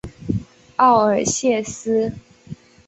奥尔谢斯。